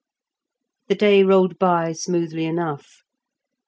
The day rolled by smoothly enough.